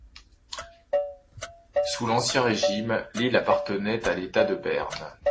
Sous l'Ancien Régime, l'île appartenait à l'État de Berne.